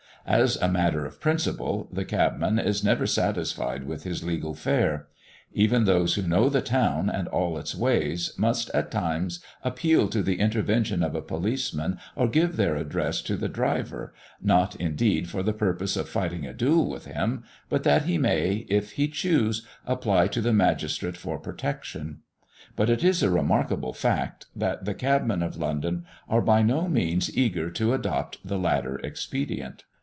As a matter of principle the cabman is never satisfied with his legal fare; even those who know the town, and all its ways, must at times appeal to the intervention of a policeman or give their address to the driver, not, indeed, for the purpose of fighting a duel with him, but that he may, if he choose, apply to the magistrate for protection. But it is a remarkable fact, that the cabmen of London are by no means eager to adopt the latter expedient.